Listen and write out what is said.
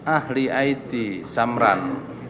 ahli it samran